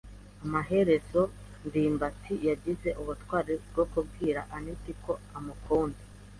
Amaherezo ndimbati yagize ubutwari bwo kubwira anet ko amukunda.